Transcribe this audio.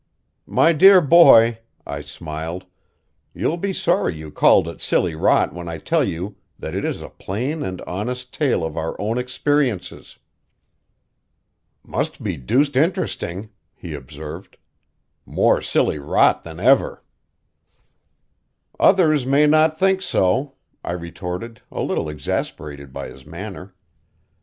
"My dear boy," I smiled, "you'll be sorry you called it silly rot when I tell you that it is a plain and honest tale of our own experiences." "Must be deuced interesting," he observed. "More silly rot than ever." "Others may not think so," I retorted, a little exasperated by his manner.